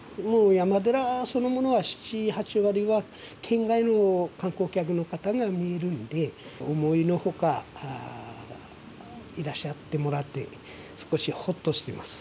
山寺そのものは７、８割は県外の観光客の方が見えるので思いのほかいらっしゃってもらって少しほっとしています。